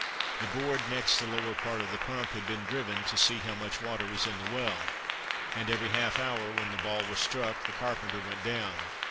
The board next the lower part of the pump had been driven to see how much water was in the well; and every half hour, when the ball was struck, the carpenter went down.